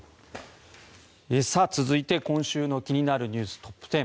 続いて今週の気になる人物トップ１０。